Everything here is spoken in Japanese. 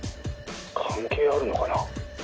関係あるのかな？